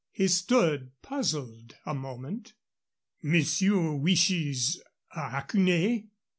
He stood puzzled a moment. "Monsieur wishes a haquenée?"